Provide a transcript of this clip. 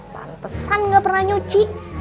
pantesan gak pernah nyuci